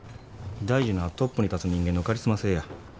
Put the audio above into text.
大事なんはトップに立つ人間のカリスマ性や。